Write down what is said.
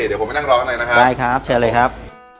เดี๋ยวผมไปนั่งร้องหน่อยนะครับได้ครับเชิญเลยครับ